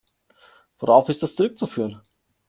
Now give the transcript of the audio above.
Worauf ist das zurückzuführen?